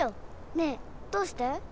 ねえどうして？